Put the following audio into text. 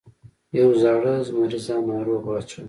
یو زاړه زمري ځان ناروغ واچاوه.